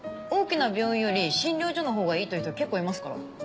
大きな病院より診療所のほうがいいという人結構いますから。